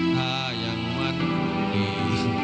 ถ้ายังมัดดี